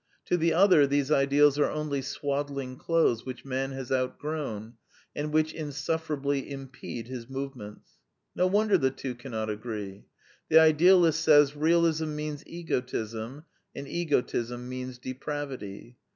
To the other these ideals are only swaddling clothes which man has outgrown, and which insufferably impede his movements. No wonder the two cannot agree. The idealist says, '' Realism means egotism; and egotism means de pravity."